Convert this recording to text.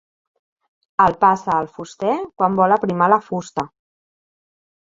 El passa el fuster quan vol aprimar la fusta.